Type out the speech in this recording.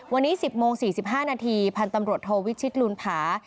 วันนี้๑๐โมง๔๕นาทีพันธ์ตำรวจโทวิชิตลูนผา